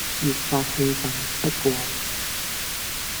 越發氣憤不過，